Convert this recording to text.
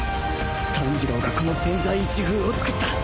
炭治郎がこの千載一遇をつくった